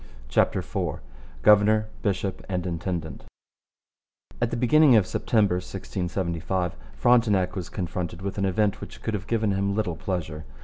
CHAPTER IV GOVERNOR, BISHOP, AND INTENDANT At the beginning of September 1675 Frontenac was confronted with an event which could have given him little pleasure.